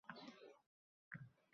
Shundan so'ng operatsiya